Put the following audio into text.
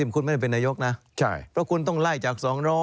คุณไม่ได้เป็นนายกนะเพราะคุณต้องไล่จาก๒๐๐